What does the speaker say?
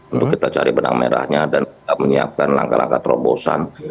untuk kita cari benang merahnya dan kita menyiapkan langkah langkah terobosan